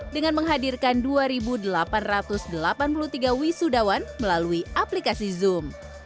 dengan menghadirkan dua delapan ratus delapan puluh tiga wisudawan melalui aplikasi zoom